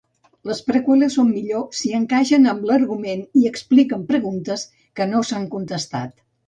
Les preqüeles són millors si encaixen amb l'argument i expliquen preguntes que no s'han contestat.